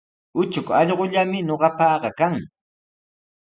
Uchuk allqullami ñuqapaqa kan.